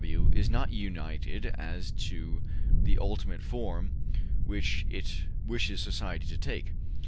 W. is not united as to the ultimate form which it wishes society to take.